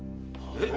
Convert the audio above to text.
えっ⁉